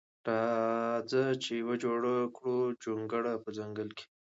راخه چی یوه جوړه کړو جونګړه په ځنګل کی.